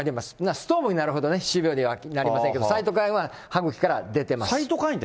ストームになるほど、歯周病にはなりませんけれども、サイトカインは歯周病から出ています。